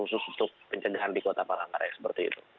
yang mana khusus fokus khusus penjagaan di kota palangkaraya seperti itu